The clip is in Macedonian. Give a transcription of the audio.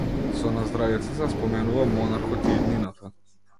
Со наздравица се споменува монархот и иднината.